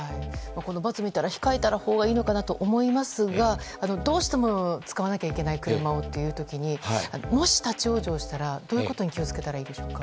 ×見たら控えたほうがいいのかなと思いますがどうしても車を使わなきゃいけないという時にもし立ち往生したらどういうことに気を付けたらいいでしょうか。